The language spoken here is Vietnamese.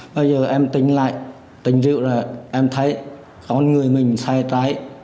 bây giờ em tỉnh lại tỉnh rượu ra em thấy con người mình sai trái